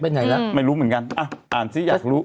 ไหนแล้วไม่รู้เหมือนกันอ่ะอ่านซิอยากรู้